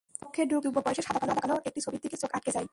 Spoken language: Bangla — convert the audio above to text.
কক্ষে ঢুকলে তাঁর যুবক বয়সের সাদাকালো একটি ছবির দিকে চোখ আটকে যায়।